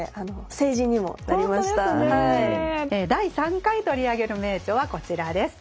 第３回取り上げる名著はこちらです。